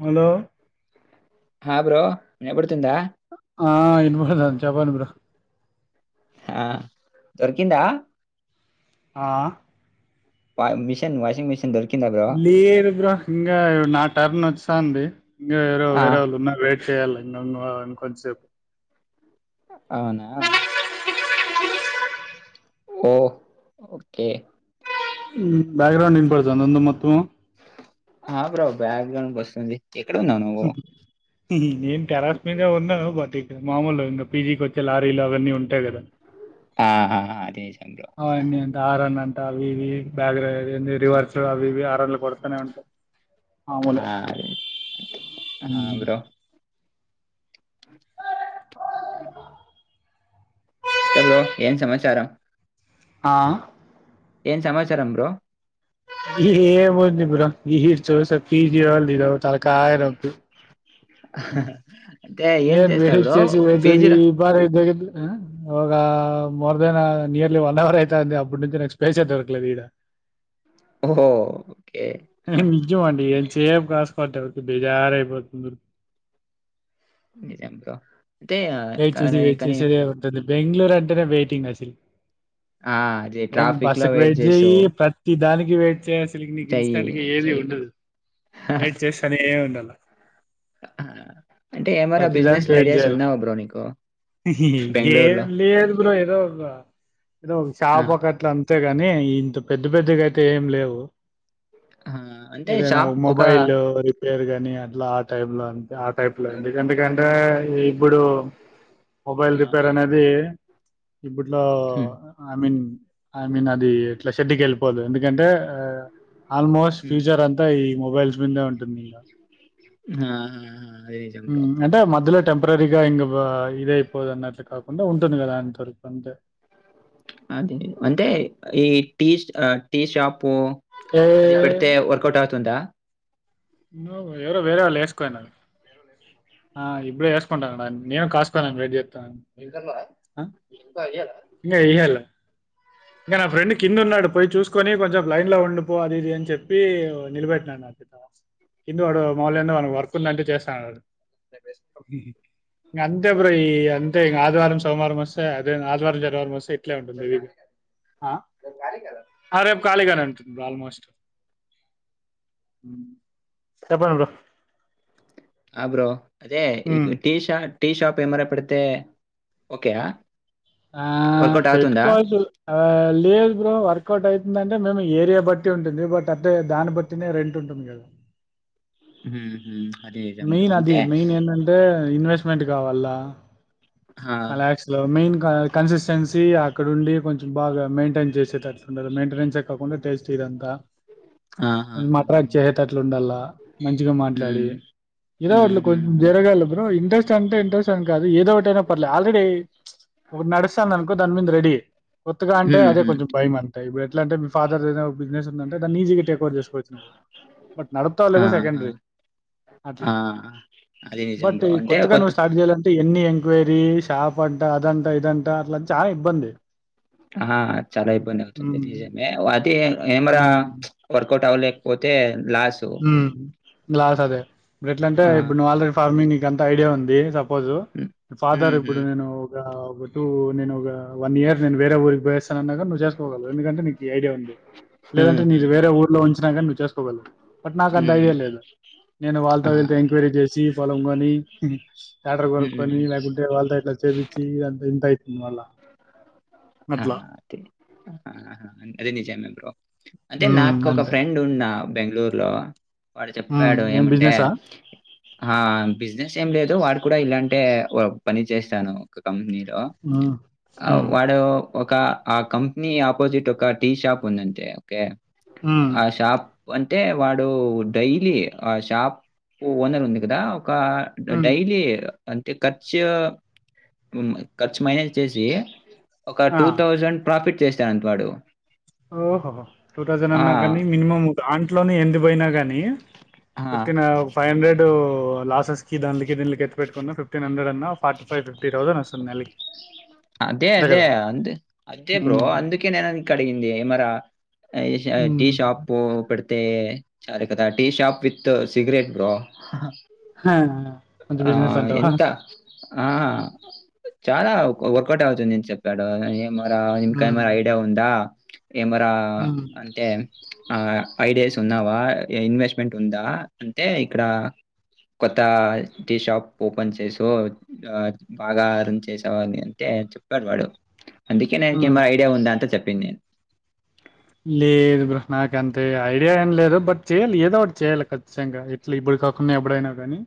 ముందు హా బ్రో వినబడుతుందా ఆ వినపడ్తంది చెప్పండి బ్రో ఆ దొరకిందా ఆ వా మిషన్ వాషింగ్ మిషన్ దొరి లేదు బ్రో ఇంగా నా టర్న్ స్తాంది. ఇంగా వేరే ఆ వేరే వాళ్ళు ఉన్నా వే విశయాలు ఎనఎన్నెన్నో అనుకొని చెప్పు అవునా ఓ ఓకే ఊ బ్యాక్గ్రౌండ్ వినపడుతందా అన్న మొత్తము గ్రౌండ్ వస్తుంది. ఎక్కడున్నావు నువ్వు? నేను టెర్రస్ మీద ఉన్నా బట్ మామూలు ఇంకా పీజీకి వచ్చే లారీలు అవన్నీ ఉంటాయి కదా ఆహా అదే అ ఎన్ని అంత ఆరన్న అంటా అవి ఇవి బ్యాగ్ర రీవర్స్ అవి ఇవి ఆరన్లు కొడతనే ఉంటాయి మామూలే ఆ అది ఊ అ ఇంకా బ్రో ఏం సమాచారం ఆ ఏం సమాచారం బ్రో ఏముంది బ్రో ఈ హీడ్స్ పీ జీ వొళ్లు ఇదో తల కాయ నొప్పి హహ ఏన్ వైట్ చేసి వైజని బార ఇగ ఆ ఒక more than nearly one hour అయితంది అప్పటి నుంచి నాకు స్పేస్ ఏ దొరకలేదు ఈడ ఓఓకే హ సేమ్ క్లాస్ కొట్టతే బెజారు అయిపోతుంది. నిజం బ్రో అంటే ఆ, వెయిట్ చేసి కానీ వెయిట్ కానీ చేసి అదే ఉంటది. బెంగళూరు అంటేనే వెయిటింగ్ అసల్ ఆ అది ఏంది ట్రాఫిక్ లో బస్సుకు వెయిట్ చేయి చేసావు ప్రతి దానికి కి వెయిట్ చేయసకి నీకు చెయ్యి ఇన్స్టాంట్ గా ఏది ఉండదు చెయ్యి వెయిట్ చేస్తానే ఉండాల ఆ! అంటే ఏమైనా ప్రతిదానికి బిజినెస్‌లో వెయిట్ ఐడియాస్ చేయాల ఉన్నావా బ్రో నీకు? హి హి బెంగుళూరులో? ఏం లేదూ బ్రో ఏదో ఒగా ఏదో ఆ! షాపకట్ల అంత అంతే గాని ఇంత పెద్ద పెద్దగా అయితే ఏం లేవు ఆ! అంటే ఏదైనా షాప్ ఒక మొబైల్ రిపేర్ గాని అట్లా ఆ టైబ్లాన్ ఆ టైప్ లో ఎందుకంటేగన్ టే ఇప్పుడు ఆ! మొబైల్ రిపేర్ అనేది ఇబ్బుట్లో హ్మ్. ఐ మీన్ ఐ మీన్ అది ఇట్ల షెడ్డకి యెళ్ళిపోదు ఎందుకంటే ఆల్మోస్ట్ హ్మ్. ఫూచర్ అంతా ఈ మొబైల్స్ మిందే ఉంటుంది ఇంగ ఆ! ఆ! ఆ! అది నిజం బ్రో. అంటే మధ్యలో టెంపరరీగా ఇంగ బ్బ ఇదే పోదున్నట్లు కాకుండా ఉంటుంది కదా అంత వరకు అంతే టీస్టు టీస్షాపు అది ఏ పెడితే వర్కౌట్ అవుతుందా నువ్ ఎవరో వేరే వాళ్ళు వేసుకోయిన ఆ ఇబ్బుడ వేసుకుంటాను నేను కాసుకోను వెయిట్ చేస్తా ఇంకాయ్యాల ఇంగ నా ఫ్రెండ్ కింద ఉన్నాడు పోయి చూసుకొని కొంచెం లైన్ లో ఉండిపో అది ఇది అని చెప్పి నిలబెట్టినాడు నా కింద వాడు మాల్లో లోన వర్క్ ఉందంటే చేస్తాను ఇంగ అంతే బ్రో ఈ అంతే వారం సోమవారం సే అదే ఆదివారం శనివారం వస్తే ఇట్లే ఉంటుంది ఇది ఆ రేపు ఖాళీగానే వుంటుంది ఆల్మోస్ట్ చెప్పండి బ్రో ఆ! బ్రో. అదే హ్మ్. ఈకు టీ ష టీ షాప్ పేమర పెడితే ఓకే అ ఆ పెట్టుకోవచ్చు ఆ లేదు బ్రో వర్క్ వర్కౌట్ అయితుందంటే మేము ఏరియా బట్టి ఉంటుంది బట్ అదే దాన్ని బట్టినే రెంట్ ఉంటుంది కదా ఊహు మెయిన్ అది మెయిన్ ఏంటంటే ఇన్వెస్ట్మెంట్ కగా వాల్ల ఆ ఆ! కలాక్స్ లో మెయిన్ క కన్సిస్టెన్సీ అక్కడ ఉండి కొంచెం బాగా మెయింటైన్ చేసేటట్లుండదు మెయింటెనెన్స్ కాకుండా టెస్ట్ ఇదంతా కొంచం ఆహాహాహా! అట్రాక్ట్ చేసేటట్లు ఉండాల్ల మంచిగా మాట్లాడి హ్మ్. ఇదో అట్ల హ్మ్. హ్మ్. కొంచెం హ్మ్. జరగాల్ల బ్రో ఇంట్రెస్ట్ అంటే ఇంట్రెస్ట్ అని కాదు ఏదో ఒకటిైనా పర్లేదు ఆల్రెడీ ఒకటి నడుస్తంది అనుకో దాని మీద రెడీ కొత్తగా అంటే హ్మ్. అదే హ్మ్. కొంచం భయం ఇబ్బుడు ఎట్లంటే మీ ఫాదర్ దేదో బిజినెస్ ఉందంటే దాన్ని ఈజీగా టేక్ ఓర్ చేసుకోచ్చు నువ్వు బట్ నడుతావు ఆ! లేదా ఆ! సెకండరీ అట్లా ఆ! అది నిజం బట్ బ్రో. ఈ అంటే కొత్తగా కొత్త నువ్వు స్టార్ట్ చేయాలంటే ఎన్ని ఎం వేరి షాప్ అంట అదంత ఆ చాలా ఇబ్బందవుతుంది ఉమ్. వాటి ఏ మ్రా వర్కౌట్ అవలే పోతే ఆ లాస్ అదే ఇప్పుడు ఎట్లంటే ఆ! ఇప్పుడు నువ్వు ఆల్రెడీ ఫార్మింగ్ ఎంత ఐడియా ఉంది స సపోజ్ హ్మ్. ఫాదర్ హ్మ్. ఇప్పుడు హ్మ్. నేను ఒక టూ నేను ఒక వన్ ఇయర్ నేను వేరే ఊరికి పోయ్యస్తనన్న గాని నువ్వు చేసుకోగలవ్ ఎందుకంటే నీకు ఈ ఐడియా ఉంది హ్మ్. లేదంటే నీది హ్మ్. వేరే హ్మ్. ఊర్లో ఉంచినా గానీ నువ్వు చేసుకోగలవు నాకు అంత హ్మ్. ఐడియా లేదు నేను ఆ! వాళ్ళతో వీళ్లతో ఎంక్వైరీ చేసి పొలం కొని హ్మ్. కొని లేకుంటే వాళ్ళతో ఇట్లా చేపిచ్చి ఇంత అయితుంది మళ్ళా. అ అట్లా. అదే అది నిజమే బ్రో అంటే హ్మ్. నాకు ఒక అంతే. ఫ్రెండ్ ఉన్నా బెంగ్ళూరు లో వాడు హ్మ్. చెప్పాడు ఏం ఏమంటే బిజినెసా? ఆ బిజినెస్ ఏం లేదు వాడు కూడా ఇలాంటే పని చేస్తాను ఒక కంపెనీ ఆ ఆ వాడు ఒక ఆ కంపెనీ ఆపోజిట్ ఒక టీ షాప్ ఉందంతే ఓకే హ్మ్. ఆషాప్ అంటే వాడు డైలీ ఆ షాప్ ఓనర్ ఉంది కదా ఒక హ్మ్. డైలీ అంటే కచ్ కచ్ మైనస్ వచ్చేసి ఒక టూ థౌసండ్ ప్రాఫిట్ చేశాడండి వాడు ఓహోహో టూ థౌజండ్ ఆ! అన్నా కానీ మినీమమ్ దాంట్లోనే ఎంది పోయినా కాని ఆ! ఫిఫ్టీన్ ఫైవ్ హండ్రెడ్ లాసెస్ కి దాన్లకి దీన్లకి ఎత్ పెట్టుకున్నా ఫిఫ్టీన్ హండ్రెడన్నా ఫార్టీ ఫైవ్ ఫిఫ్టీ థౌసండ్ వస్తుం కొన్నాలకి అదే అదే అంతే అంతే బ్రో హ్మ్. అందుకే నేన కడిగింది మరా ఐ షా టీ హ్మ్. షాప్ పో పెడితే చాలు కదా tea shop with cigarette bro హ కొంచెం ఆ! బిజినెస్ అంటావా ఎంత ఆ చాలా వర్కౌట్ అవుతుంది అని చెప్పాడు. మరా హ్మ్. ఇంకేమై ఐడియా ఉందా ఏమరా హ్మ్. అంతే ఆ ఐడియాస్ ఉన్నావా ఇన్వెస్ట్మెంట్ ఉందా అంతే ఇక్కడ కొత్త టీ షాప్ ఓపెన్ చేసు ఆ బాగా రన్ చేసావని తే చెప్పాడు వాడు అందుకే నేను టీ హ్మ్. మా ఐడియా ఉంద అంటే చెప్ పినే లేదు బ్రో నాకు అంత ఐడియా ఏం లేదు బట్ చెయ్యాలి ఏదో ఒకటి చేయాలి ఖచ్చితంగా ఇట్లా ఇప్పుడు కాకుండా ఎప్పుడైనా గానీ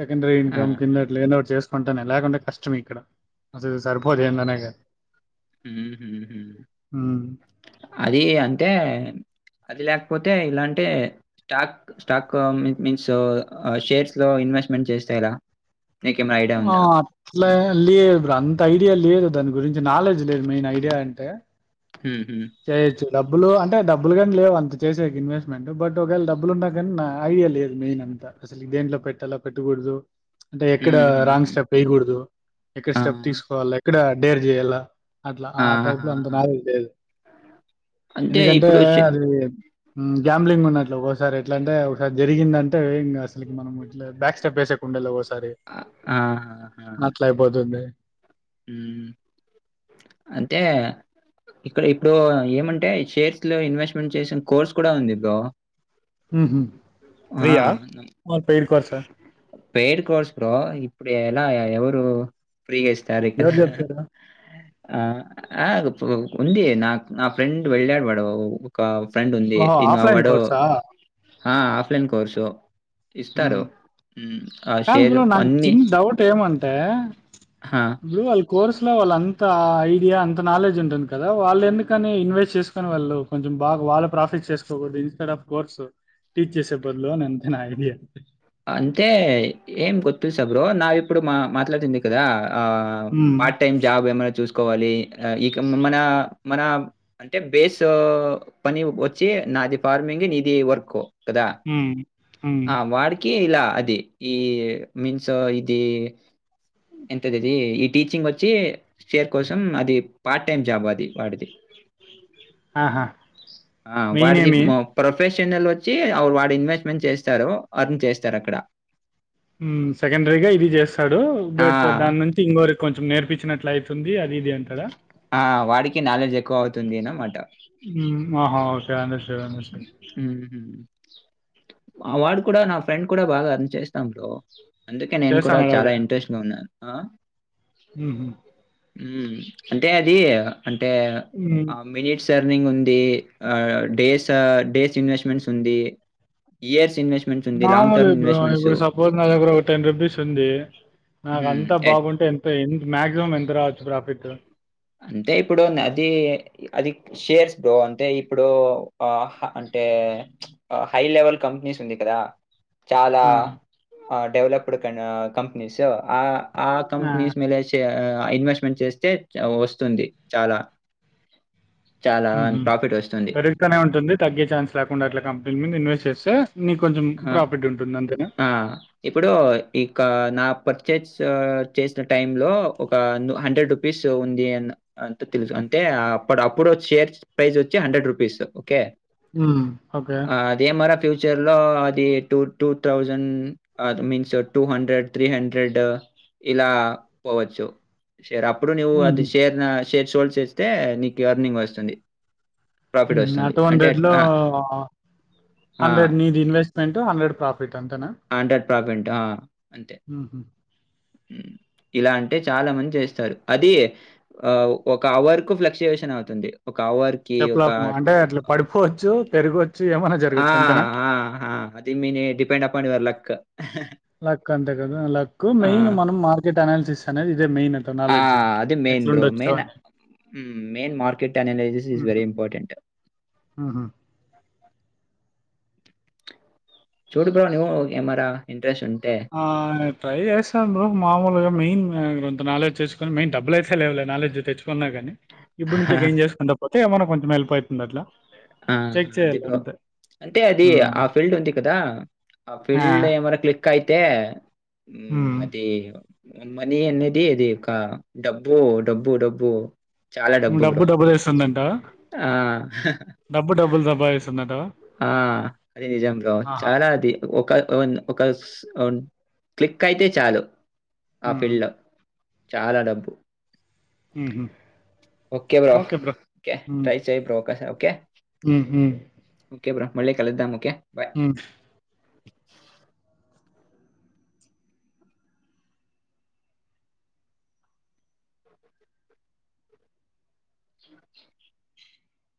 సెకండరీ ఇన్కమ్ ఆహా! కింద అట్లే ఏదో ఒకటి చెస్ కుంటనే లేకుంటే కష్టం ఇక్కడ అసలు సర్పోదు ఏందన్నా గాని హుహుహు. హ్మ్ అది అంటే అది లేకపోతే ఇలాంటే స్టాక్ స్టాక్ మీన్స్ షేర్స్ లో ఇన్వెస్ట్మెంట్ చేస్తే ఎలా నీకేమైనా ఐడియా ఆ ఉందా? అట్ల లేదురా అంత ఐడియా లే దాని గురించి నాలెడ్జ్ లేదు మెయిన్ ఐడియా అంటే హుహు. చేయొచ్చు డబ్బులు అంటే డబ్బులు గానీ లేవుం చేసేకి ఇన్వెస్ట్మెంట్ బట్ ఒకవేళ డబ్బులు ఉన్నా కానీ నా ఐడియా లేదు మెయిన్ అంత అసలు దేంట్లో పెట్టాలా పెట్టకూడదు అంటే ఎక్కడ రాంగ్ హుహుహు. స్టెప్ వేయకూడదు ఎక్కడ ఆ! స్టెప్ తీసుకోవాలి ఎక్కడ డేర్ చేయాల అట్లా ఆ టైప్ లో అంత ఆహాహా! నాలెడ్జ్ లేదు అంటే ఎందుకంటే ఇప్పుడు షే అది హ్మ్ గ్యాంబ్లింగ్ ఉన్నట్లు ఒక్కోసారి ఎట్లంటే జరిగిందంటే ఇంగా అసలుకి మనం ఇట్ల బ్యాక్ స్టెప్ వేసేకుండేలే ఒకసారి ఆ! ఆహాహా! అట్ల అయిపోతుంది హ్మ్ అంటే ఇక్కడ ఇప్పుడు ఏమంటే షేర్స్ లో ఇన్వెస్ట్మెంట్ చేసిన కోర్స్ కూడా ఉంది బ్రో ఊహూ ఆ! ఫ్రీయా పెయిడ్ కోర్స్ బ్రో ఇప్పుడు ఎలా ఎవరు ఫ్రీగా ఇస్ చార ఎవరు కలా చెప్తారు [unintelligible] ఆ ఆ ఉంది నా నా ఫ్రెండ్ వెళ్ళాడు వాడు ఒక ఫ్రెండ్ ఉంది ఓహో ఇన్గా ఆఫ్లైన్ వాడు కోర్సా ఆ ఆఫ్లైన్ కోర్సు ఇస్తారు ఉమ్. ఊహు కాదు బ్రో నాకు చిన్న డౌట్ ఏమంటే ఆ! కోర్స్ లో వాళ్ళంతా ఐ ఐడియా అంత నాలెడ్జ్ ఉంటుంది కదా వాళ్ళు ఎందుకని ఇన్వెస్ట్ చేసుకని వాళ్ళు కొంచెం బాగా వాళ్ళ ప్రాఫిట్ చేసుకోకూదు ఇన్స్టడ్ ఆఫ్ కోర్స్ టీచ్ చేసే బదులు అని అంతేనా ఐడియా అంతే ఏం గోత్తూ సా బ్రో నావి ఇప్పుడు మా మాట్లాడుతుంది కదా ఆ ఉమ్, పార్ట్ టైమ్ జాబ్ ఏమైనా చూసుకోవాలి. ఇక మన మన అంటే బేస్ పని వచ్చి నాది ఫార్మింగ్ నీది వర్క్ కదా! హు హు ఆ! వాడికి ఇలా అది ఈ మీన్స్ ఇది ఎంతది ఇది ఈ టీచింగ్ వచ్చి షేర్ కోసం అది పార్ట్ టైమ్ జాబ్ అది వాడిది. ఆహా ఆ మెయిన్ వాడిది ఏమి మో ప్రొఫెష్ షనల్ వచ్చి వాడు ఇన్వెస్ట్మెంట్ చేస్తారు అర్న్ చేస్తారు అక్కడ ఊ సెకండరీగా ఇది చేస్తాడు ఆ! బట్ దాని నుంచి ఇంకోరికి కొంచెం నేర్పించినట్ల అయితుంది అది ఇది అంటారా ఆ వాడికి నాలెడ్జ్ ఎక్కువ అవుతుంది అనమాట ఊ ఆహా ఓకే అండర్స్టాండ్ అండర్స్టాండ్ హుహు. ఆ వాడు కూడా నా ఫ్రెండ్ కూడా బాగా ఎర్న్ చేస్తాం బ్రో అందుకే నేను కూడా చేస్తాను అలావిడ చాలా ఇంట్రెస్ట్గా ఉన్నాను ఆ ఊ అంటే అది అంటే ఆ మిరిట్స్ అంటే అర్నింగ్ ఉంది డేస్ ఆ డేస్ ఇన్వెస్ట్మెంట్స్ ఉంది ఇయర్స్ ఇన్వెస్ట్ మాాముల్ ఇప్పుడ్ ఇప్పుడు సపోజ్ నా దగ్గర ఒక టెన్ రూపీస్ ఉంది నాకు హ్మ్. అంత ఎట్ బాగుంటే ఎంత ఎ మాక్సిమం ఎంత రావచ్చు ప్రాఫిట్ అంటే ఇప్పుడు అది అది షేర్స్ బ్రో అంటే ఇప్పుడు అంటే హై లెవల్ కంపెనీస్ ఉంది కదా చాలా ఆ! అ డెవలప్ ఇప్పుడుకన్ కంపెనీస్ ఆ ఆ కంపనీస్ మేలేచేయ ఆ ఇన్వెస్ట్మెంట్ చేస్తే యా వస్తుంది చాలా చాలా ఊహు ప్రాఫిట్ వస్తుంది పెరుగుతానే ఉంటుంది తగ్గే ఛాన్స్ లేకుండా అట్లా కంపెనీల మీద ఇన్వెస్ట్ వెస్ట్ చేస్తే నీకు కొంచెం ఆ ప్రాఫిట్ ఉంటుంది అంతేనా? ఆ ఇప్పుడు ఇకా నా ప చేర్స్ చేసిన టై లో ఒక హండ్రెడ్ రూపీస్ ఉంది అ అంత తెలుసు అంటే అప్పుడు అప్పుడు షేర్స్ ప్రైజొచ్చి హండ్రెడ్ రూపీస్ ఓకే హ్మ్. ఓకే. అదే మర ఫ్యూచర్ ఇలో అది two two thousand means two hundred three hundred ఇలా పోవచ్చు శేర్ అప్పుడు నీవు అది హుహు. షేర్ నా షేర్స్ హోల్డ్స్ చేస్తే నీకు అర్నింగ్ వస్తుంది ప్రాఫిట్ ఉ ఆ వస్తుంది. టు అంటే హండ్రెడ్ లో అహా! ఆ! హండ్రెడ్ ని ఇది ఇన్వెస్ట్మెంట్ హండ్రెడ్ ప్రాఫిట్ అంతేనా ఆ! అంతే. ఇలా అంటే చాలా మంది చేస్తారు అది ఆ ఒక అవర్ కు ఫ్లక్చుయేషన్ అవుతుంది ఒక అవర్‌కి ఒక చెప్పలేం అంటే అట్లా పడిపోవచ్చు పెరిగవచ్చు ఏమన్నా ఆ ఆ ఆ అది మీని depend upon your luck luck అంతే కదా లక్ ఆ! మెయిన్ మనం మార్కెట్ అనాలిసిస్ అనేది ఇదే మెయిన్ అ ఆ! నాలెడ్జ్ అది మెయిన్ బ్రో. ఎట్లుండొచ్చు మెయిన్ అని మ్మ్. Main market analysis is very important చూడ బ్రో నీవు ఎ మరా ఎం ఆ ట్రై చేసాను మామూలుగా మెయిన్ ఎంత నాలెడ్జ్ చేస్ మెయిన్ డబ్బులయితే లేవ్ లే నాలెజ్ తెచ్ ఉన్నా కానీ ఇప్పుడు నుంచి ఏం చేసుకుంట అంతే మన కొంచెం హెల్ప్ అయితుందట్లా ఆ అదే బ్రో అంటే అది ఉమ్. ఆ ఫీల్డ్ ఉంది కదా ఆ ఫీల్డ్ ఏమన్నా క్లిక్ అ యి టే ఊ ఉమ్. అది మనీ అనేది అది ఒక డబ్బు డబ్బు డబ్బు చాలా డబ్బు బ్రో డబ్బులు వేస్తుందంట ఆ డబ్బు డబ్బులు సంపాదిస్ ఆ అది నిజం బ్రో ఆహా. చాలా అది ఒక ఒకన్ ఒకస్ ఒన్ క్లిక్ అయితే చాలు ఆ మ్మ్. ఫీల్డ్ లో చాలా డబ్బు ఉహుమ్ ఓకే బ్రో ఓకే ట్రై చేయ బ్రో క ఓకే ఉమ్, కే బ్రో మళ్ళీ కలుద్దాం ఒకే ఊ